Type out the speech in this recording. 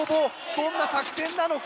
どんな作戦なのか。